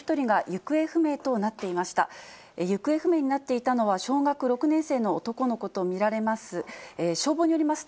行方不明になっていたのは小学６年生の男の子と見られます。